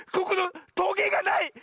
ここのトゲがない！